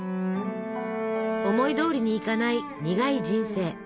思いどおりにいかない苦い人生。